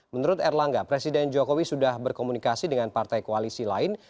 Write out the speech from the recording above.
menurut erlangga presiden jokowi sudah berkomunikasi dengan partai koalisi lain